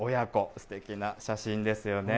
すてきな写真ですよね。